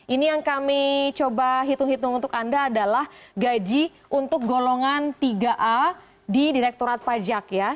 ini yang kami coba hitung hitung untuk anda adalah gaji untuk golongan tiga a di direkturat pajak ya